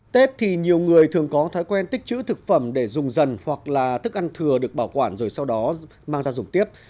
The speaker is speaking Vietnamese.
tết thì nhiều người thường có thói quen tích chữ thực phẩm để dùng dần hoặc là thức ăn thừa được bảo quản rồi sau đó mang ra dùng tiếp